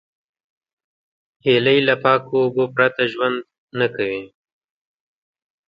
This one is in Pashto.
هیلۍ له پاکو اوبو پرته ژوند نه کوي